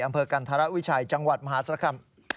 อำเภอกันธรรมิวิชัยจังหวัดมหาศักรรม